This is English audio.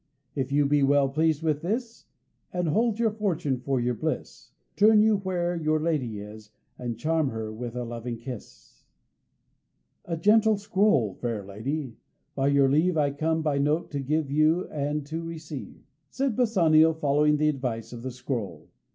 If you be well pleased with this, And hold your fortune for your bliss, Turn you where your lady is And claim her with a loving kiss." "A gentle scroll. Fair lady, by your leave I come by note to give and to receive," said Bassanio, following the advice of the scroll.